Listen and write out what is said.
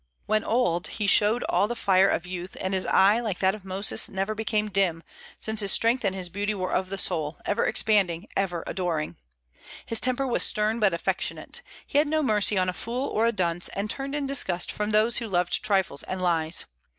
When old he showed all the fire of youth, and his eye, like that of Moses, never became dim, since his strength and his beauty were of the soul, ever expanding, ever adoring. His temper was stern, but affectionate. He had no mercy on a fool or a dunce, and turned in disgust from those who loved trifles and lies.